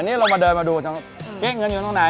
อันนี้เรามาเดินมาดูเก๊กเงินอยู่ตรงไหน